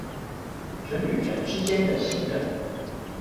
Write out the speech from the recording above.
人與人之間的信任